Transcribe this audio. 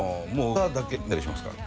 歌だけ見たりしますからね。